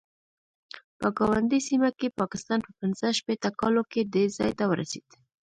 په ګاونډۍ سیمه کې پاکستان په پنځه شپېته کالو کې دې ځای ته ورسېد.